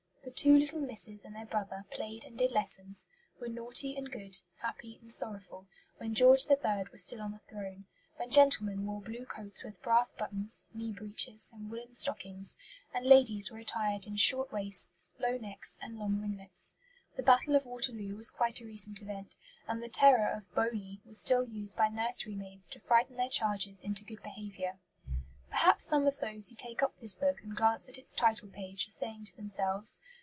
The two little misses and their brother played and did lessons, were naughty and good, happy and sorrowful, when George III. was still on the throne; when gentlemen wore blue coats with brass buttons, knee breeches, and woollen stockings; and ladies were attired in short waists, low necks, and long ringlets. The Battle of Waterloo was quite a recent event; and the terror of "Boney" was still used by nursery maids to frighten their charges into good behaviour. Perhaps some of those who take up this book and glance at its title page are saying to themselves.